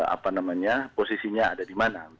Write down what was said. apa namanya posisinya ada di mana